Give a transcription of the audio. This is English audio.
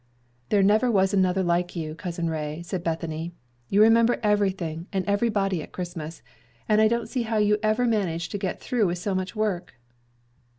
"There never was another like you, Cousin Ray," said Bethany. "You remember everything and everybody at Christmas, and I don't see how you ever manage to get through with so much work."